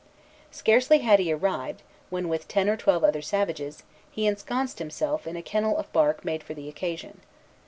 Scarcely had he arrived, when, with ten or twelve other savages, he ensconced himself in a kennel of bark made for the occasion.